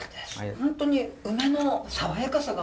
本当に梅の爽やかさが。